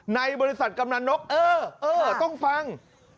ในบริษัทกำนันนกเออต้องฟัง